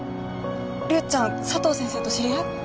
リュウちゃん佐藤先生と知り合い？